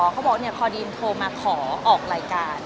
เขาบอกคอดีนโทรมาขอออกรายการ